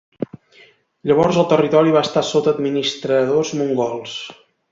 Llavors el territori va estar sota administradors mogols.